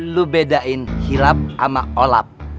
lu bedain hilab sama olap